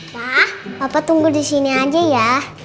pak papa tunggu disini aja ya